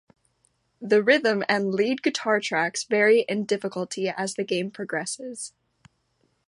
The rhythm and lead guitar tracks vary in difficulty as the game progresses.